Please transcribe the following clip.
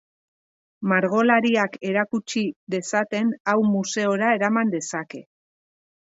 Margolariak erakutsi dezaten hau museora eraman dezake.